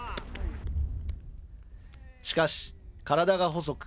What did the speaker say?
しかし、体が細く、